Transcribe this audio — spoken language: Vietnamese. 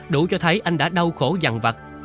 đủ cho thấy anh đã đau khổ dằn vặt